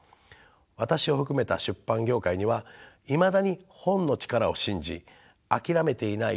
私を含めた出版業界にはいまだに本の力を信じ諦めていない人がたくさんいます。